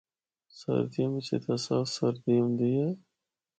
سردیاں بچ اِتھا سخت سردی ہوندی ہے۔